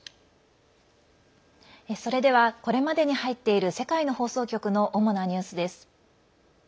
それではこれまでに入っている世界の放送局の主なニュースです。